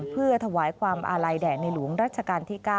เพื่อถวายความอาลัยแด่ในหลวงรัชกาลที่๙